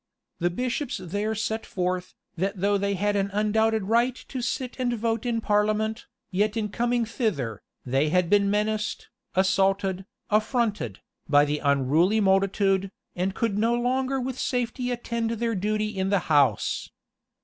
The bishops there set forth, that though they had an undoubted right to sit and vote in parliament, yet in coming thither, they had been menaced, assaulted, affronted, by the unruly multitude, and could no longer with safety attend their duty in the house.